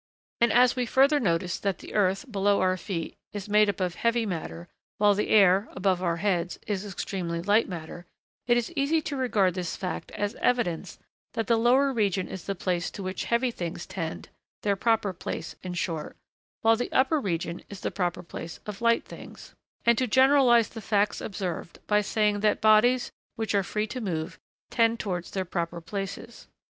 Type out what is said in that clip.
And, as we further notice that the earth, below our feet, is made up of heavy matter, while the air, above our heads, is extremely light matter, it is easy to regard this fact as evidence that the lower region is the place to which heavy things tend their proper place, in short while the upper region is the proper place of light things; and to generalise the facts observed by saying that bodies, which are free to move, tend towards their proper places.